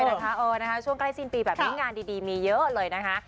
ยกไปด้วยนะคะช่วงใกล้๑๐ปีแบบนี้งานดีมีเยอะเลยนะคะ